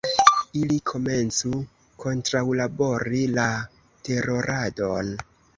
Ili komencu kontraŭlabori la teroradon.